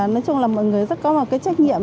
nói chung là mọi người rất có một cái trách nhiệm